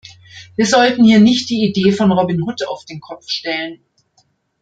Wir sollten hier nicht die Idee von Robin Hood auf den Kopf stellen.